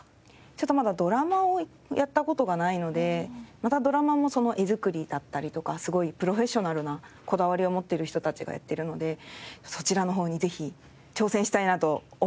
ちょっとまだドラマをやった事がないのでまたドラマもその画作りだったりとかすごいプロフェッショナルなこだわりを持ってる人たちがやってるのでそちらの方にぜひ挑戦したいなと思ってます。